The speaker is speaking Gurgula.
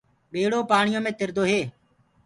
ٻيڙو پآڻيو مي تِردو هي۔